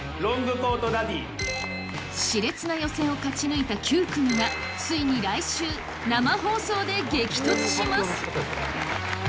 し烈な予選を勝ち抜いた９組がついに来週、生放送で激突します。